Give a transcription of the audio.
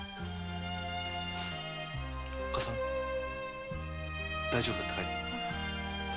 おっかさん大丈夫だったかい？